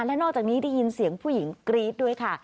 และนอกจากนี้ได้ยินเสียงผู้หญิงกรี๊ดด้วยค่ะ